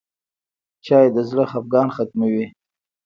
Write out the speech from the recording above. چای د زړه خفګان ختموي.